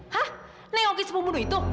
hah nengokis pembunuh itu